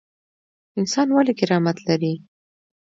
انسان ولې کرامت لري؟